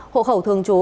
hộ khẩu thường trú